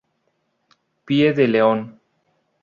Pie de León.